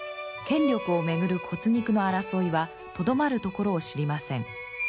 権力を巡る骨肉の争いはとどまるところを知りません。